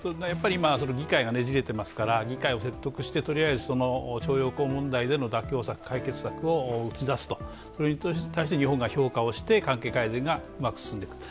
今、議会がねじれていますから、議会を説得してとりあえず徴用工問題だでの妥協策、解決策を打ち出すと、それに対して日本が評価をして関係改善がうまく進む。